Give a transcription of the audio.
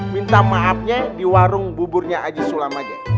minta maafnya di warung buburnya aji sulam aja